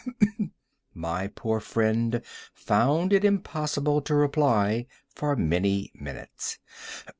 My poor friend found it impossible to reply for many minutes.